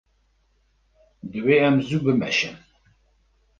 Divê em zû bimeşin.